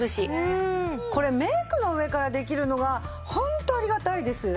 これメイクの上からできるのがホントありがたいです。